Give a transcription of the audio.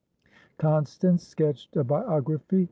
Constance sketched a biography.